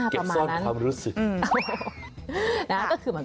เขาเก็บซ่อน